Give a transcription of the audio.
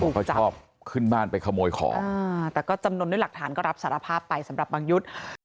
เขาจะชอบขึ้นบ้านไปขโมยของแต่ก็จำนวนด้วยหลักฐานก็รับสารภาพไปสำหรับบังยุทธ์